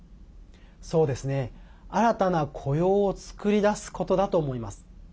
新たな雇用を作り出すことだと思います。